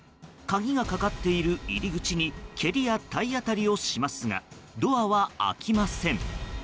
鍵がかかっている入り口に蹴りや体当たりをしますがドアは開きません。